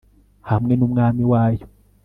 hamwe n'umwami wayo